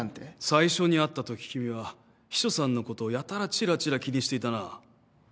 最初に会ったとき君は秘書さんのことをやたらちらちら気にしていたな。